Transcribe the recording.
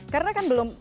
karena kan belum